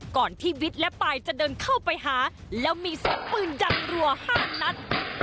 ก่อนที่วิทย์และปายจะเดินเข้าไปหาแล้วมีเสียงปืนดังรัว๕นัด